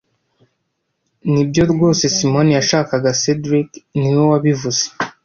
Nibyo rwose Simoni yashakaga cedric niwe wabivuze